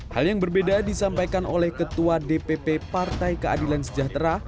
hal yang berbeda disampaikan oleh ketua dpp partai keadilan sejahtera